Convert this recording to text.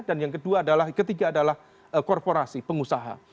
dan yang ketiga adalah korporasi pengusaha